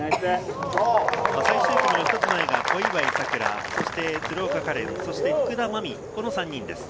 最終組の１つ前が小祝さくら、鶴岡果恋、そして福田真未、この３人です。